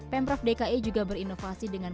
pemprov dki juga berinovasi dengan